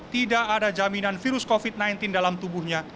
tidak ada jaminan virus covid sembilan belas dalam tubuhnya